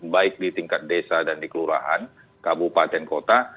baik di tingkat desa dan di kelurahan kabupaten kota